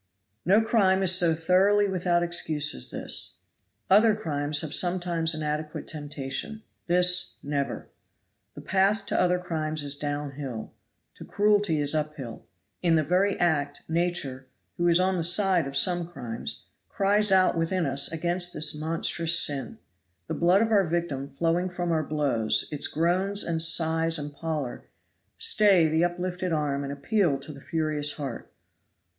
"No crime is so thoroughly without excuse as this. Other crimes have sometimes an adequate temptation, this never. The path to other crimes is down hill; to cruelty is up hill. In the very act, Nature, who is on the side of some crimes, cries out within us against this monstrous sin. The blood of our victim flowing from our blows, its groans and sighs and pallor, stay the uplifted arm and appeal to the furious heart.